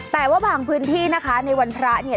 แต่ว่าบางพื้นที่นะคะในวันพระเนี่ย